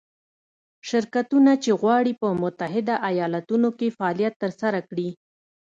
شرکتونه چې غواړي په متحده ایالتونو کې فعالیت ترسره کړي.